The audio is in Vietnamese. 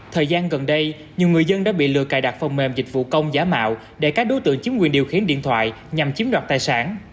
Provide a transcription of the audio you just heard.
thời gian gần đây nhiều người dân đã bị lừa cài đặt phần mềm dịch vụ công giả mạo để các đối tượng chiếm quyền điều khiển điện thoại nhằm chiếm đoạt tài sản